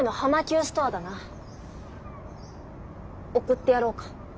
送ってやろうか？